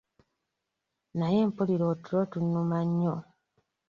Naye mpulira otulo tunnuma nnyo.